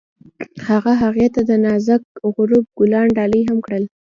هغه هغې ته د نازک غروب ګلان ډالۍ هم کړل.